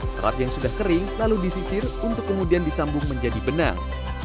serat yang sudah kering lalu disisir untuk kemudian disambung menjadi benang